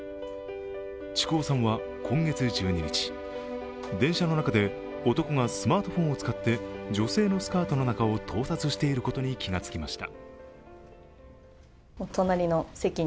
築尾さんは今月１２日、電車の中で男がスマートフォンを使って女性のスカートの中を盗撮していることに気がつきました。